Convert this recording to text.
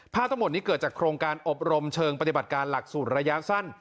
ทั้งหมดนี้เกิดจากโครงการอบรมเชิงปฏิบัติการหลักสูตรระยะสั้น